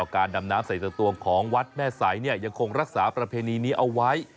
การดำน้ำใส่สตวงของวัดแม่ใสยังคงรักษาประเพณีนี้เอาไว้